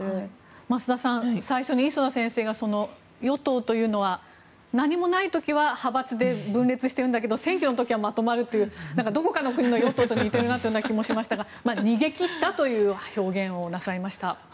増田さん、最初に磯田先生が与党というのは何もない時は派閥で分裂しているんだけど選挙の時はまとまるというどこかの国の与党と似ているなという気もしましたが逃げ切ったという表現をなさいました。